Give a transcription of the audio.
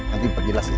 nanti pergilah silahkan